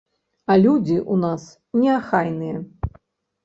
А людзі ў нас неахайныя.